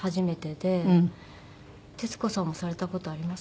徹子さんもされた事あります？